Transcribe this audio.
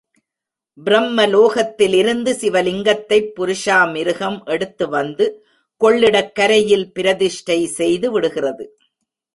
பிரம்ம லோகத்திலிருந்து சிவலிங்கத்தைப் புருஷா மிருகம் எடுத்து வந்து கொள்ளிடக் கரையில் பிரதிஷ்டை செய்து விடுகிறது.